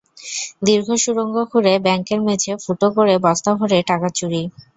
দীর্ঘ সুড়ঙ্গ খুঁড়ে ব্যাংকের মেঝে ফুটো করে বস্তা ভরে টাকা চুরি।